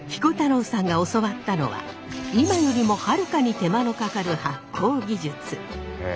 彦太郎さんが教わったのは今よりもはるかに手間のかかる発酵技術。